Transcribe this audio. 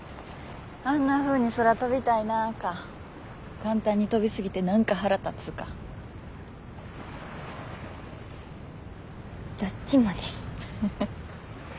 あんなふうに空飛びたいなぁか簡単に飛び過ぎて何か腹立つか。どっちもです。